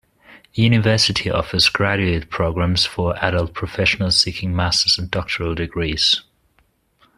The university offers graduate programs for adult professionals seeking master's and doctoral degrees.